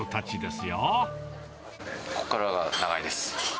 ここからが長いです。